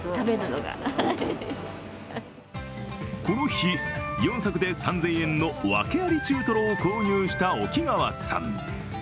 この日、４柵で３０００円の訳あり中トロを購入した沖川さん。